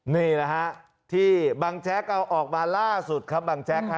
นี่แหละฮะที่บังแจ๊กเอาออกมาล่าสุดครับบังแจ๊กฮะ